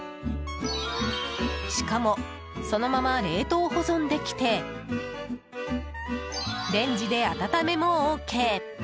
しかも、そのまま冷凍保存できてレンジで温めもＯＫ。